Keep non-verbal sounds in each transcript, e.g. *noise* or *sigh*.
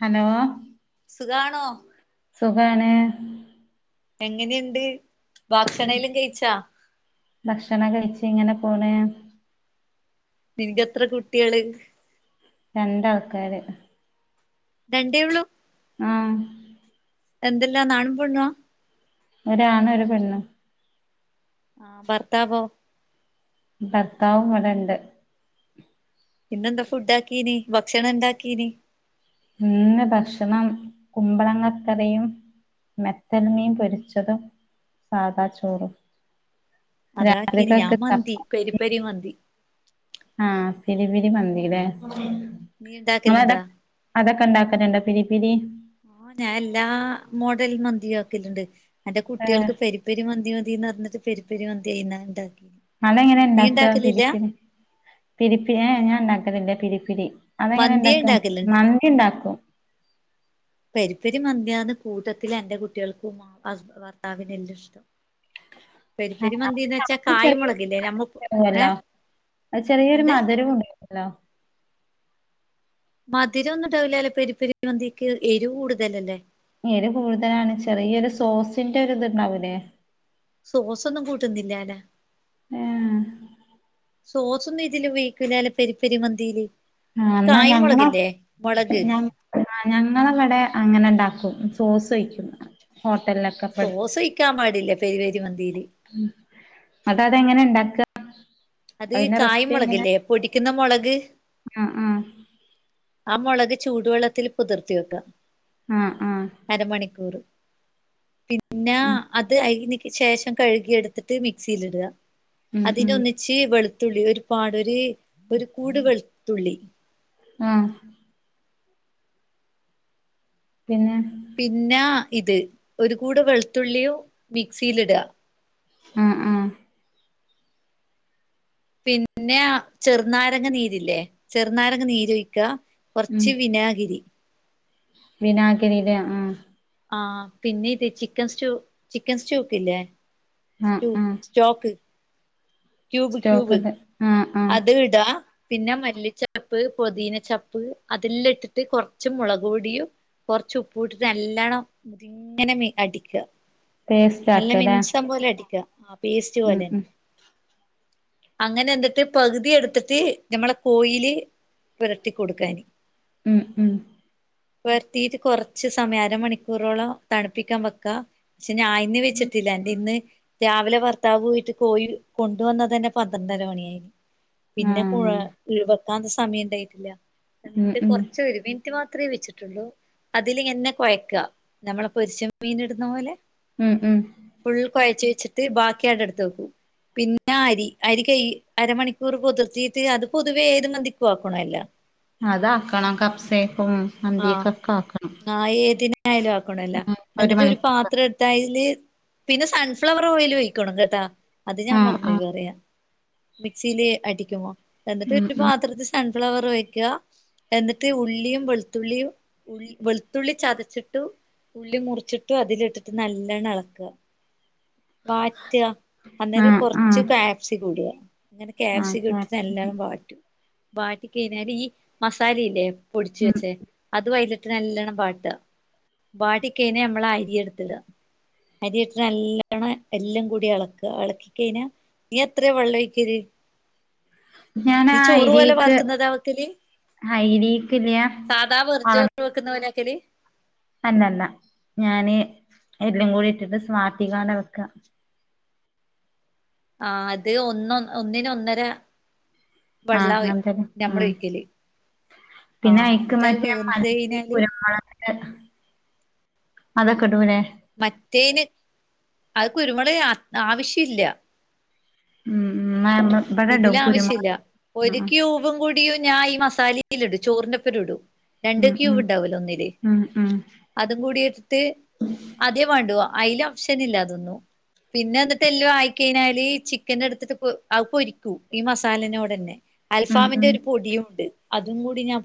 Hello സുഖാണോ സുഖാണ് എങ്ങനെയുണ്ട് ഭക്ഷണെലും കഴിച്ചാ ഭക്ഷണം കഴിച്ച്‌ ഇങ്ങനെ പോണ നിനക്ക്ത്ര കുട്ടികള് രണ്ടാൾക്കാര് രണ്ടേ ഉള്ളൂ ആഹ എന്തെല്ലാ ആണും പെണ്ണും അ ഒരാണ് ഒരു പെണ് ആഹ് ബർത്താ ബോ ഭർത്താവും ഇവിടെ ഉണ്ട് പിന്നെന്താ ഫുഡ് ആക്കീന് ഭക്ഷണം ഇണ്ടാക്കീന് ഇന്ന് ഭക്ഷണം കുമ്പളങ്ങക്കറിയും മെത്തൽ മീൻ പൊരിച്ചതും സാദാ ചോറും രാത്കൊക്ക് തപ്പ പെരിപ്പെെരി മന്തി ആഹ പിരി പിരി മന്തി ലേ നീ നിങ്ങൾ ഏതാ ഉണ്ടാക്കലുണ്ടാ അതൊക്കെ ഉണ്ടാക്കണ്ടുണ്ടോ പിരി പിരി ആ ഞാൻ എല്ലാ മോഡൽ മന്ത്രിയും ആക്കലുണ്ട് എന്റെ ഏഹ് കുട്ടികൾക്ക് പെ പെരി മന്തി മതിന്ന് പറഞ്ഞ പെരി പെരി മന്തി അയിന ഉണ്ടാക്കി അത് എങ്ങനെ നീ ഇണ്ടാക്കുക പിരീ ഉണ്ടാക്കലില്ല പിരി പി രീ ഏ ഞാൻ ഉണ്ടാക്കല്ലേ പിരിപ്പിരീ അതെങ്ങനെ മന്തിയെ ഉണ്ടാക്കാ ഉണ്ടാക്കലുണ്ട് മന്ദി ഉണ്ടാക്കും *inaudible* പെരിപ്പെരി മന്യാന്ന് കൂട്ടത്തിൽ എന്റെ കുട്ടികൾക്കും ഭർത്താവിനെ എല്ലാം ഇഷ്ടം *inaudible* മന്തിന്ന് വെച്ചാ കായ്മുളകില്ലേ നമ്മ ഏ ചെറിയല്ലോ അത് ചെറിയൊരു എന്തെ മധുരവുംണ്ടോ അലോ മധുരം ഒന്നും ഉണ്ടാവില്ല അല്ലെ പെരിപ്പെരി മന്തിക്ക് എരി കൂടുതലല്ലേ എരു കൂടുതലാണ് ചെറിയ ഈ ഒരു സോസിന്റെ ഒര് ഇത്ണ്ടാവൂല്ലേ സോസൊന്നും കൂട്ടുന്നിലാലോ ഏ സോസ ഒന്നും ഇതില്പീക്കൂില്ല അല്ല പെരിപ്പെരിമന്തിയില് ആഹ് ഈ കായമുളക്ല്ലേ മുളക് ആ ഞങ്ങളവിടെ അങ്ങനെ ഇണ്ടാക്കും സോസ് ഒഴിക്കും ഹോട്ടലിലൊക്കെ ഇപ്പ സോസൊയിക്കാൻ പാടില്ല പെരിപെരി മന്തിയില് അത അതെങ്ങനെ ഉണ്ടാക്ക അത് കായ്മുളക്ല്ലേ പൊടിക്കുന്ന മുളക് ആ അ ആ മുളക് ചൂടുവെള്ളത്തിൽ പുതിർത്തി വെക്കാം ആ ആ അരമണിക്കൂർ പിന്നെ ഉം അത് അയ്ൻ ശേഷം കഴുകിയ എടുത്തിട്ട് മിക്സിൽ ഇടുക ഉം ഉം അതിനൊന്നി ച്ചി വെളുത്തുള്ളി ഒരു പാട ഒരു ഒരു കൂട് വെളുത്തുള്ളി ആഹ പിന്നെ പിന്നെ ഇത് ഒരു കൂട് വെളുത്തുള്ളിയും മിക്സിൽ ഇടുക ആ അ പിന്നെ ചെറുനാരങ്ങ നീരില്ലേ ചെറുനാരങ്ങ നീര ഒഴിക്കുക കുറച്ച് വിനാഗിരി വിനാഗിരിലെ ആ ആ പിന്നെ ഇത് ചിക്കൻ സ്റ്റൂ ചിക്കൻ സ്റ്റൂ വെകലേ ആഹ് സ്റ്റൂ ആഹ് ചോക്ക് ക്യൂബ് സ്റ്റോക്ക് ക്യൂബ് ഉണ്ട് ആഹ് ആഹ് അത് ഇടാ പിന്നെ മല്ലിച്ചപ്പ് പതീന ചപ്പ് അതില്ലാം ഇട്ടിട്ട് കുറച്ച് മുളക് പൊടിയും കൊറച്ച ഉപ്പ ഇട്ടിട്ട് നല്ലവണം മുതിങ്ങനെ അടിക്കുക പേസ്റ്റ് നല്ല ആക്കല്ലേ മിൻസം പോലെ അടിക്കാ ആ പേസ്റ്റ് ഉം പോലെ അങ്ങനെ എന്തട്ട് പകുതി എടുത്തിട്ട് ഞമ്മള കോയില് പൊരട്ടി കൊടുക്കാന് ഉം ഉം വർത്തീട്ട് കൊറച്ച് സമയം അരമണിക്കൂറോളം തണുപ്പിക്കാൻ വെക്കാ പക്ഷെ ഞാൻ ഇന്ന് വെച്ചട്ടില്ല എൻ്റെ ഇന്ന് രാവിലെ ഭർത്താവ് പോയിട്ട് കോയി കൊണ്ടുവന്ന തന്നെ പന്ത്രണ്ടര മണിയായി പിന്നെ കുഴ ആഹ് വെക്കാന് സമയിണ്ടായിട്ടില്ല ഉം എന്നിട്ട് ഉം കൊറച്ച് ഒരു മിൻ നിറ്റ് മാത്രമേ വെച്ചിട്ടുള്ളൂ അതില്ന്നെ കൊഴക്ക നമ്മള പൊരിച്ചമീൻ ഇടുന്ന പോലെ ഉം ഉം ഫുൾ കൊഴച്ച് വെച്ചിട്ട് ബാക്കി അവടെടുത്ത് വെക്കും പിന്നാ അരി അരി കൈ അരമണി കുർ കുതിർത്തീട്ട് അത് പൊതുവേ ഏത് മന്തിക്കുവാക്കണല്ല അതാക്കണം കഫ്സേക്കും മന്തിക്കൊക്ക ആക്കണം ആ ഏതിനായാലും ആക്കണോല്ല ഉം എന്നിട്ട് ഒരു മണിക്കൂർ പാത്രടു ട്ടയില് പിന്നെ സൺഫ്ലവർ ഓയിൽ ഒഴിക്കണം കേട്ടാ അത് ഞാൻ ആഹ് ആഹ് മറന്നൊയിപറയാ മിക്സീല് അടിക്കുമോ എന്നിട്ട് ഉം ഒരു ഉം പാത്രത്തി സൺ‌ ഫ്ലവർ ഒഴിക്ക എന്നിട്ട് ഉള്ളിയും വെളു ത്തുള്ളിയും ഉ വെളുത്തുള്ളി ചതച്ചിട്ട് ഉള്ളി മുറിച്ചിട്ടു അതിലിട്ടിട്ട് നല്ലാണ്ണം എളക്ക വാറ്റാ അന്നേരം ആഹ് കൊറച്ച് ആഹ് ക്കാ പ്‌സിക്കം ഇടുക അങ്ങനെ ആഹ് ക്യാപ്‌സിക്കം ഇട്ടിട്ട് കാപ്സിക്കം നല്ലോണം വാറ്റും വാറ്റി കയിഞ്ഞാല് ഈ മസാലയില്ലേ പൊടിച്ച് ഉം വെച്ചേ അതു അയലിട്ട് നല്ലോണം വാട്ട വാടികൈഞാ നമ്മളാ അരിയടുത്തിട അരി ഇട്ടിട്ട് നല്ലോണ്ണം എല്ലാം കൂടി എളക്ക എളക്കി കൈഞ്ഞാ നീ എത്രയാ വെള്ളൊഴിക്കല് ഞാനാ നീച്ചോറു പോലെ അയിലേക്ക് പാർക്കുന്നതാ വെക്കല് അയിലേക്കില്ല്യ സാധാ അള വെർജോർ വെക്കുന്ന പോലെയ വെക്കല് അല്ലല്ല ഞാന് എല്ലാകൂടി ഇട്ടിട്ട് സ്വാർതികാന വെക്ക ആ അത് ഒന്ന് ഒന്നിന് ഒന്നര ആഹ് വെള്ളാ അങ്ങനത്തന്നെ നമ്മള് ഉം ഒഴിക്കല് ആ പിന്നെ അയിക്ക് എന്നിട്ട് അത് മറ്റേ വെന്ത് മല്ലി കഴിഞ്ഞാല് കുരുമുളക് അ അതൊക്കെ ഇടൂല്ലേ മറ്റേന് അത് കുരുമുളക് ആവശ്യില്ലാ ഉം ഉം നമ്മ ഇബടെടും ഇതിലാവശ്യില്ല കുരുമുളക് ഒരുക്കൂബും കൂടി യും ഞാ ഈ മസാലയിലിടും ചോറിന്റൊപ്പര ഇടും രണ്ട് ഉം ഉം ക്യൂബ് ഇണ്ടാവൂല്ലോ ഒന്നില് ഉം ഉം ഉം അതും കൂടി എടുത്ത് ആദ്യേ വേണ്ടുവ അയിൽ ഒപ്ഷനില്ലാതൊന്നും പിന്നെ എന്നിട്ട് എല്ലാം ആയി കഴിഞ്ഞാല് ചിക്കൻ എടുത്തിട്ട് അ പൊരിക്കും ഈ മസാലെനോടന്നെ ഉം അൽഫാമിന്റെ ഉം ഒരു പൊടിയുണ്ട് അതും കൂടി ഞാൻ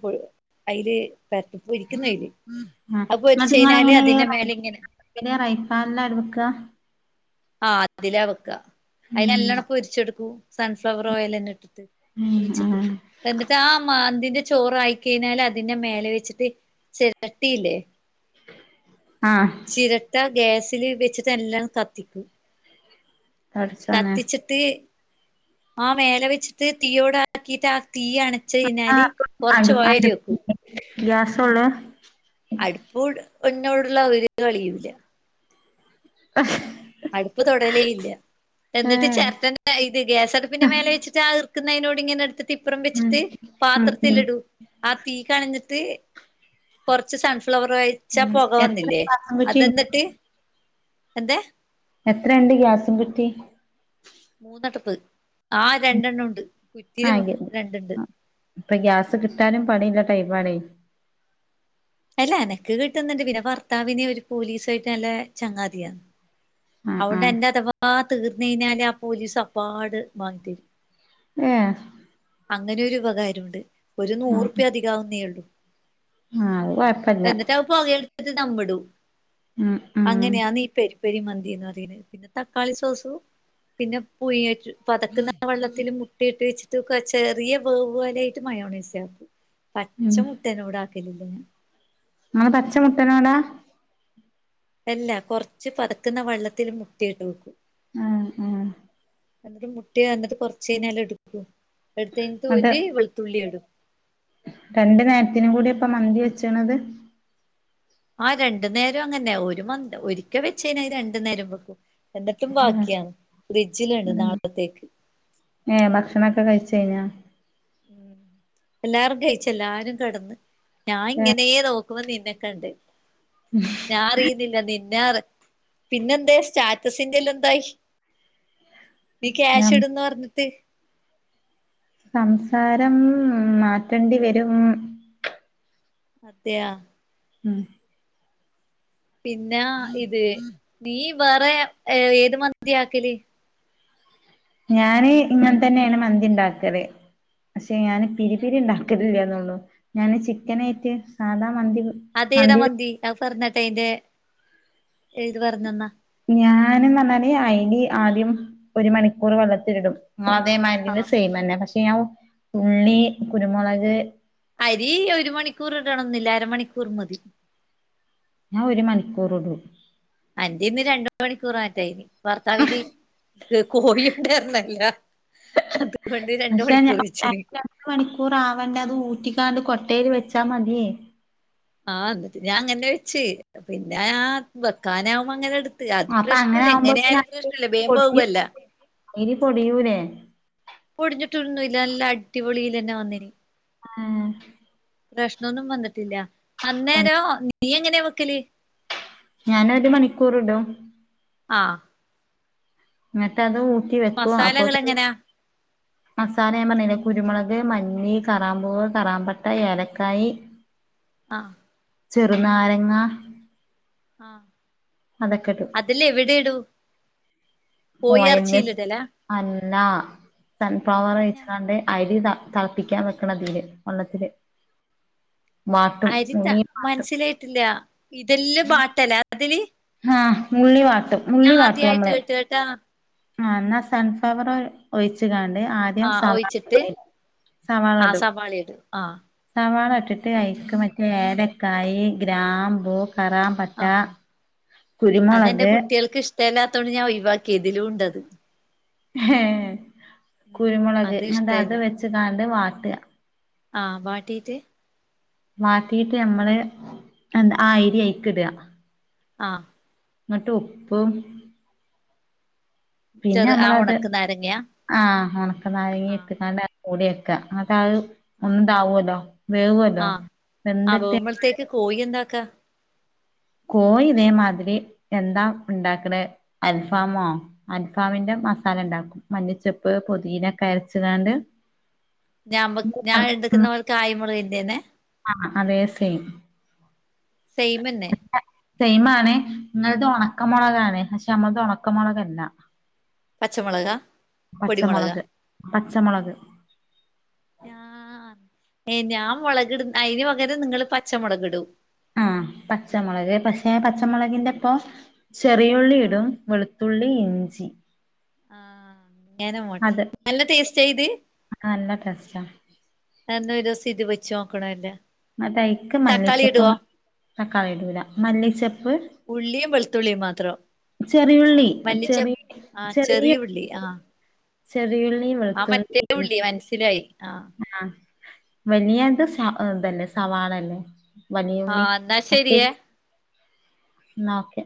അയില് പെര ആ മറ്റ് ഇങ്ങൾ കഴിഞ്ഞാല് എങ്ങനെയാ അതിന്റെ മേലെ ഇങ്ങനെ ചെയ്യാ റൈഫാൻ ല വെക്ക ആ അതിലാ വെക്ക ഉം അതിലല്ലോണം പൊരിച്ചെടുക്കൂ സൺഫ്ലവർ ഓയിലന്നെ ഇട്ടിട്ട് ഉം പൊയിച്ചിട്ട് ഉം എന്നിട്ട് ആ മാന്തിന്റെ ചോറായി കഴിഞ്ഞാല് അതിന്റെ മേലെ വെച്ചിട്ട് ചെരട്ടിയില്ലേ ആഹ് ചിരട്ട ഗ്യാസില് വെച്ചിട്ട് എല്ലാം കത്തിക്കും പടച്ചോനെ കത്തിച്ചിട്ട് ആ മേല വെച്ചിട്ട് തീയോടാക്കിട്ട് ആ തീ അണ ച്ച് കഴിഞ്ഞാല് കൊറച്ച് ഒയര് വെക്കും ഗ്യാ സൊള്ള അടുപ്പോട് എന്നോടൊള്ള ഒരു കളിയൂല്ല അഹ് അടുപ്പ് തൊടലേ ഇല്ല. എന്നിട്ട് ഉം ചേരട്ടന്നെ ഇത് ഗ്യാസ് അടുപ്പിന്റെ മേലെ വെച്ചിട്ട് ഇറുക്കുന്നതിനോട് ഇങ്ങനെ എടു ത്ത് ഇപ്പ്റം ഉം വെച്ചിട്ട് പാത്രത്തിൽ ഉം ഇടൂ. ആ തീ കണഞ്ഞിട്ട് കൊറച്ച് സൺഫ്ലവർ ഓയില്. ഒഴിച്ചാ ഉം പോക എത്ര വന്നില്ലേ ഗ്യാസും കുറ്റിണ്ട് അതെന്നിട്ട് എന്താ. എത്രയുണ്ട് ഗ്യാസും കുറ്റി. മൂന്ന് അടുപ്പ് ആ രണ്ടെണ്ണം ഉണ്ട് ആ കുറ്റിയും ഗ്യ രണ്ടു ഉണ്ട്. ഇപ്പൊ ഗ്യാസ് കിട്ടാനും പണിയുള്ള ടൈപ്പ് ആണേ. അല്ല എനക്ക് കിട്ടുന്നുണ്ട് പിന്നെ ഭർത്താവിന് ഒരു പോലീസായിട്ട് നല്ല ചങ്ങാതിയാ. ആ അതുകൊണ്ട് ആ എന്റെ അഥവാ തീർന്നു കഴിഞ്ഞാല് ആ പോലീസ് അപ്പാട് വാങ്ങി തരും. ഏഹ്. അങ്ങനെ ഒരു ഉപകാരമുണ്ട് ഒരു നൂറു റുപ്യ അധികം ആവുന്നേ ഉള്ളു. ആ അത് കുഴപ്പമില്ല. പുകയടുപ്പിന് ദമ്മിടും. ഉം ഉം. അങ്ങനെയാണ് ഈ പെരിപ്പരി മന്തീന്ന് പറയുന്നത്, പിന്നെ തക്കാളി സോസും പിന്നെ. *unintelligible* അ പതക്കുന്ന വെള്ളത്തിൽ മുട്ടിയിട്ട് വെച്ചിട്ട്ക്ക ചെറിയ വേവ് പോലെ ആയിട്ട് മയോണോസ് ആക്കും. പച്ച ഉം മുട്ടേനോട് ആക്കലില്ല ഞാൻ. നമ്മെ പച്ചമുട്ടനോടാ. അല്ല കൊറച്ച് പതക്കുന്ന വെള്ളത്തിൽ മുട്ടിയിട്ട് വെക്കും. ആഹ് ആഹ് എന്നിട്ട് മുട്ട പറഞ്ഞിട്ട് കുറച്ച കഴിഞ്ഞാല് എടുക്കും എടുത്ത് കഴിഞ്ഞിട്ട് ന്നട്ട് ഒരു വെളുത്തുള്ളി ഇടും. രണ്ടു നേരത്തിനും കൂടി ആ ഇപ്പ മന്തി വെച്ചണത്. ആ രണ്ടു നേരം അങ്ങനെ ന്നെ ഒരു മന്തി ഒരിക്കെ വെച്ച് കഴിഞ്ഞാ രണ്ടു നേരം വെക്കും. എന്നിട്ടും ഉം ബാക്കിയാണ് ഫ്രിഡ്ജിലുണ്ട് നാളത്തേക്ക്. ഏഹ് ഭക്ഷണൊക്കെ കഴിച്ച് കഴിഞ്ഞാ. ഉം എല്ലാരും കഴിച്ച് എല്ലാരും കിടന്ന് ഞാൻ ഇങ്ങനെയ നോക്ക ക്കുമ്പം നിന്നെകണ്ട്. ഉം *unintelligible* ഞാൻ അറിയുന്നില്ല നിന്നെ പിന്നെ എന്താ സ്റ്റാറ്റസിന്റെ എല്ലാം എന്തായി? നീ ക്യാഷ് ഇടുന്ന് പറഞ്ഞിട്ട്. സംസാരം മാറ്റേണ്ടി വരും. അതെയോ. ഉം. പിന്നെ ഇത് നീ വേറെ ഏ ഏത് മന്തിയാ ആക്കാല്. ഞാന് ഇങ്ങനെ തന്നെയാണ് മന്തി ഉണ്ടാക്കാല് പക്ഷെ ഞാന് പിരി പിന്നെ പിരിണ്ടാക്കും. ക്കില്ല എന്നുള്ളു ഞാൻ ചിക്കനായിട്ട് സാധാ മന്തി. അതേതാ മന്തി അത് പറഞ്ഞ് താട്ടെ അതിന്റെ ഇത് പറഞ്ഞ് തന്നാ. ഞാനേന്ന് പറഞ്ഞാല് അരി ആദ്യം ഒരു മണിക്കൂർ വെള്ളത്തില് ഇടും. അതേമാതിരിക്ക്ന്നെ സെയിം തന്നെ പക്ഷെ ഞാൻ ഉള്ളി, കുരുമുളക്. അരി ഒരു മണിക്കൂർ ഇടണം എന്നില്ല അരമണിക്കൂർ മതി. ഞാൻ ഒരു മണിക്കൂറിടും. അന്റെ ഇന്ന് രണ്ട് മണിക്കൂർ മറ്റോ ആയിനി ഭർത്താവിന്റെയും. കോഴിയോടെ പറഞ്ഞല്ല അതുകൊണ്ട് രണ്ട് മണിക്കൂറ് വച്ചിന്. മണിക്കൂറ് ആവണ്ടേ അത് ഊറ്റിക്കാണ്ട് കൊട്ടയില് വെച്ചാ മതിയേ. ആഹ് എന്നിട്ട് ഞാൻ അങ്ങനെ വെച്ച് പിന്നെ ആ വെക്കാനാവുമ്പം അങ്ങനെ എടു അത് അപ്പൊ പ്രശ്നം അങ്ങനെ ഇല്ല എങ്ങനെ ആവുമ്പോത്തിന് ആയാലും അരി പ്രശ്നം ഇല്ല വേഗം പൊടിഞ്ഞു അല്ലോ. അരി പൊടിയൂലേ പൊടിഞ്ഞിട്ടൊ ഒന്നും ഇല്ല നല്ല അടിപൊളില് തന്നെ വന്നീന്. ഏഹ്. പ്രശ്നമൊന്നും വന്നിട്ടില്ല അന്നേരോ നീ എങ്ങനെയാ വെക്കല്. ഞാന് ഒരു മണിക്കൂർ ഇടും. ആഹ് ഇഞ്ഞ്ട്ടത് ഊറ്റി വെക്കും മസാലകൾ അപ്പോതി *inaudible* മസാല ഞാപറ്ണിലെ കുരുമളക് മല്ലി കറാമ്പൂവ് കറാമ്പട്ട ഏലക്കായി ആഹ് ചെറ്നാരങ്ങ ആഹ് അതൊക്കെ ഇടും അതിലെവിടെടൂ ഒ എൻ സ് അന്ന സൺഫ്ലവറ് പിന്നെ ഒയിച്ച്ങ്ങാണ്ട് അരിതാ തൾപ്പിക്കാൻ വെക്കണതില് വള്ളത്തില് അരിട്ട ഉള്ളി വാട്ടും മനസ്സിലൈട്ടില്യാ ഇതെല്ലം ബാറ്റ്ലാ അതില് ആഹ് ഉള്ളി വാട്ടും ഞാ ഉള്ളി വാട്ടും ആദ്യായിട്ട് നമ്മള് ഏട്ട് ട്ടാ ആഹ് ഇന്ന സൺഫ്ലവർ ഒ ഒയിച്ച്കാണ്ട് ആദ്യം ആഹ് സവാ ഒഴിച്ചിട്ട് സവാള ആഹ് ടും സവാള ഇടും ആഹ് സവാള ഇട്ട്ട്ട് ഐക്ക് മറ്റേ ഏലക്കായി ഗ്രാമ്പൂ കറാം പട്ട ആഹ് കുരുമുളക് തെലാതോണ്ട് ഞാ ഒയ് വാക്കി ഇതിലൂണ്ടത് ഹേ ഉം കുരുമുളക് അത് ഇങ്ങണ്ട് അത് ഇഷ്ടല്ല വെച്ച്കാണ്ട് വാട്ട്അ ആ് വാട്ടീറ്റ്‌ വാട്ടീറ്റ്ഞമ്മള് എന്ത ആ ഐരിഐക്ക്ട്അ ആഹ് ന്ട്ട് ഉപ്പും പിന്നെ ചെറു ആ അമ്മളത് ഒണക്ക് നാരങ്ങ ആഹ് ഒണക്ക ആഹ് നാരങ്ങിട്ട്ക്കാണ്ട് ഓടിയക്ക ഇങ്ങട്ടഅഅ് ഒന്ന് ആഹ് ണ്ടാവോല്ലോ വേവോല്ലോ വെന്ത്ട്ട് ത്തേക്ക് കോയി എന്താക്ക കോയി ഇതേമാതിരി എന്താ ഉണ്ടാക്ക്ണ് അൽഫാമോ അൽഫാമിന്റെ മസാലണ്ടാക്കും മല്ലിച്ചെപ്പ് പൊതീനക്കെ അരച്ച് ങ്ങാണ്ട് ഞാമക് ഞാഎട്ക്ക്ന്നവർക്ക് ആയിമുറ്കിന്റെന്നെ ആഹ് അതെ സെയിം സെെമെന്നേ സെെമാണ് ഇങ്ങളത് ഒണക്കമൊ ളകാണ് പക്ഷെ അമ്മളത് ഒണക്ക മൊളകല്ല പച്ചമൊളകാ പച്ചമൊളക് പച്ചമൊളക് ഞാ ആഹ് ഏഹ് ഞാം മൊളക് ഇടും ഐന് പകരം നിങ്ങള് പച്ചമൊളക് ഇടും ആഹ് പച്ചമുളക് പക്ഷെ പച്ചമുളകിന്റൊപ്പം ചെറിയുള്ളി ആഹ് ഇടും വെളു തുള്ളി അഞ്ചി ആഹ് ങ്ങനെ മോൾ നല്ല ടേസ്റ്റാ ഇത് ആഹ് നല്ല ടേസ്റ്റാ എന്ന ഒരൂസം ഇത് വെച്ചോക്കണ വല്ലോ ന്ന്ട്ട് അയ്ക്ക് മല്ലിച്ചപ്പും തക്കാളിടൂല മല്ലിച്ചപ്പ് ഉള്ളീംവെളുത്തുള്ളിം മാത്രം ചെറിയുള്ളി ചെറി മല്ലിച്ചെപ്പ് ആഹ് ചെറിയ ചെറിയഉള് ഉള്ളി ആഹ് ചെറിയുള്ളി ആ വെളുത്തുള്ളി മറ്റേ ഉം ഉള്ളി മനസ്സിലായി ആഹ് വലിയത് സഅ്തല്ലെ സവാളല്ലേ വലിയുള്ളി ആഹ് എന്നാ മറ്റേ ശരിയേ ഇന്നാ ഓക്കെ